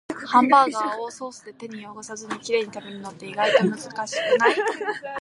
ハンバーガーをソースで手を汚さずにきれいに食べるのって、意外と難しくない？